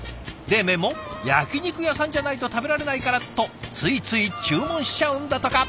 冷麺も焼き肉屋さんじゃないと食べられないからとついつい注文しちゃうんだとか。